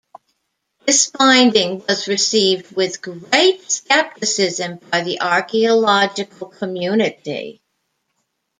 This finding was received with great skepticism by the archaeological community.